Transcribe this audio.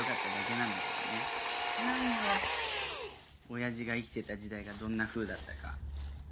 親父が生きてた時代がどんなふうだったか。